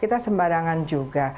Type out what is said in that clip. kita sembarangan juga